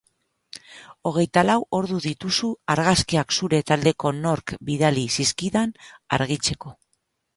Hogeita lau ordu dituzu argazkiak zure taldeko nork bidali zizkidan argitzeko.